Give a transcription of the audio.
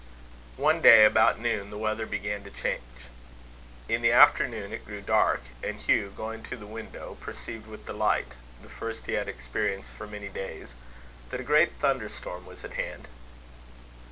One day, about noon, the weather began to change. In the afternoon it grew dark; and Hugh, going to the window, perceived with delight the first he had experienced for many days that a great thunder storm was at hand.